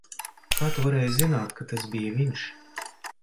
Kā tu varēji zināt, ka tas bija viņš?